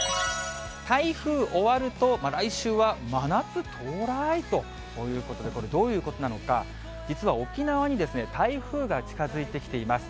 台風終わると、来週は真夏到来？ということで、これ、どういうことなのか、実は沖縄にですね、台風が近づいてきています。